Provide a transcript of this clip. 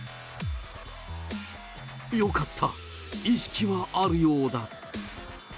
よかった、意識はあるようだ。